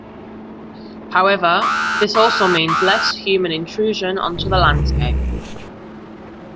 However, this also means less human intrusion onto the landscape.